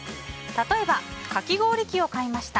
例えば、かき氷器を買いました。